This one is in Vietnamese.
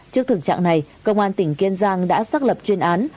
trước thực trạng này công an tỉnh kiên giang đã xác lập chuyên án